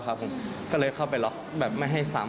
ผมก็เลยเข้าไปล็อกแบบไม่ให้ซ้ำ